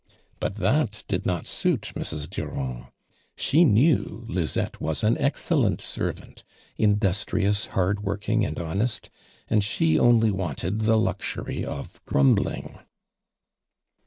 ]Jut that did not suit Mrs. Durand. fShe knew Ijizette was an excellent servant industrious, hard working and honest, iind she only >vanted the luxury of grum Iding.